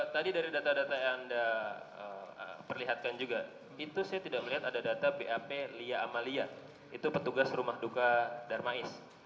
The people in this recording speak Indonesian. tadi dari data data yang anda perlihatkan juga itu saya tidak melihat ada data bap lia amalia itu petugas rumah duka darmais